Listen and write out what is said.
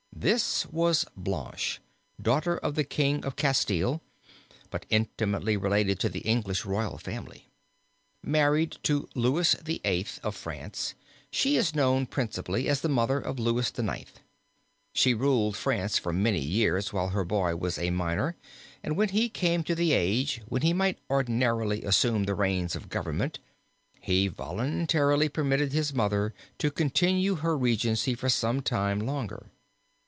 This was Blanche, daughter of the King of Castile, but intimately related to the English royal family. Married to Louis VIII of France she is known principally as the mother of Louis IX. She ruled France for many years while her boy was a minor and when he came to the age, when he might ordinarily assume the reins of government, he voluntarily permitted his mother to continue her regency for some time longer.